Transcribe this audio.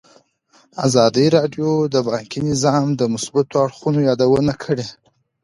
ازادي راډیو د بانکي نظام د مثبتو اړخونو یادونه کړې.